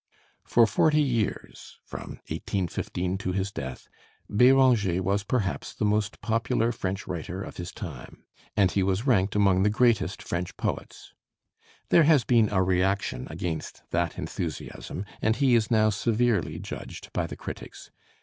For forty years, from 1815 to his death, Béranger was perhaps the most popular French writer of his time, and he was ranked amongst the greatest French poets. There has been a reaction against that enthusiasm, and he is now severely judged by the critics.